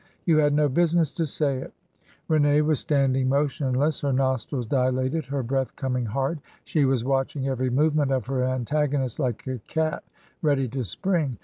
" You had no busi ness to say it !" Rene was standing motionless, her nostrils dilated, her breath coming hard. She was watching every movement of her antagonist like a cat ready to spring.